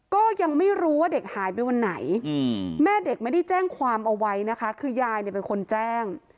ก็ยังไม่รู้ว่าเด็กหายไปวันไหนแม่เด็กไม่ได้แจ้งความเอาไว้นะคะคือยายเนี่ยเป็นคนแจ้ง